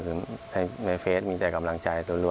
คือในเฟสมงานมีแต่กำลังใจเร็ว